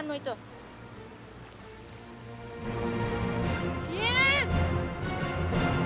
ayo gunakan rambut kesatianmu itu